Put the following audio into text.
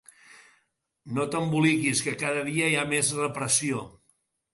No t'emboliquis, que cada dia hi ha més repressió!